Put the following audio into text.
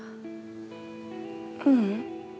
ううん。